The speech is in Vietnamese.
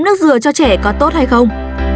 nước dừa cho trẻ có tốt hay không